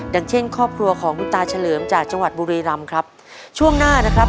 อย่างเช่นครอบครัวของคุณตาเฉลิมจากจังหวัดบุรีรำครับช่วงหน้านะครับ